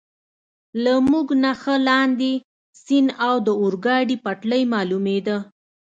له موږ نه ښه لاندې، سیند او د اورګاډي پټلۍ معلومېده.